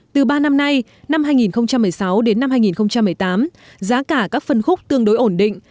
từ ba năm nay năm hai nghìn một mươi sáu đến năm hai nghìn một mươi tám giá cả các phân khúc tương đối ổn định